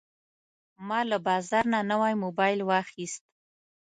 ما له بازار نه نوی موبایل واخیست.